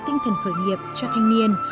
tinh thần khởi nghiệp cho thanh niên